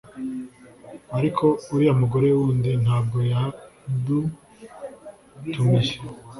ariko uriya mugore wundi ntabwo yadutumiye